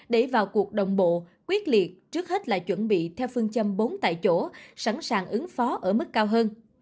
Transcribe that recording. để vào cuộc đồng bộ quyết liệt trước hết là chuẩn bị theo phương châm bốn tại chỗ sẵn sàng ứng phó ở mức cao hơn